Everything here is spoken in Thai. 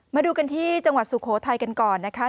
มาดูกันที่จังหวัดสุโขทัยกันก่อนนะคะ